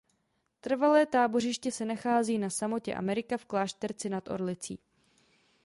Trvalé tábořiště se nachází na Samotě Amerika v Klášterci nad Orlicí.